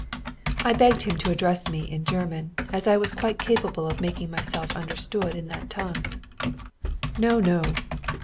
I begged him to address me in German, as I was quite capable of making myself understood in that tongue. "No! no!